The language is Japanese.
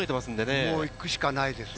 もう行くしかないですよ